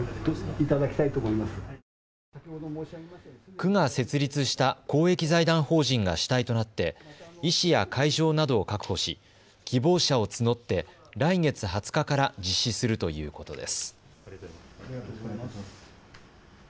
区が設立した公益財団法人が主体となって医師や会場などを確保し希望者を募って来月２０日から実施するということです。